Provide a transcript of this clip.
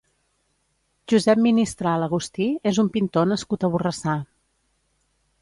Josep Ministral Agustí és un pintor nascut a Borrassà.